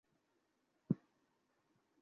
জৌলুষতা যেন থাকে ছবিতে।